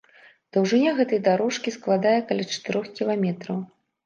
Даўжыня гэтай дарожкі складае каля чатырох кіламетраў.